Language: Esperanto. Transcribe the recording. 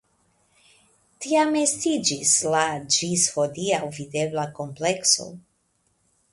Tiam estiĝis la ĝis hodiaŭ videbla komplekso.